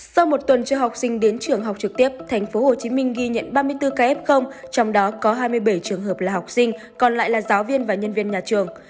sau một tuần cho học sinh đến trường học trực tiếp tp hcm ghi nhận ba mươi bốn ca f trong đó có hai mươi bảy trường hợp là học sinh còn lại là giáo viên và nhân viên nhà trường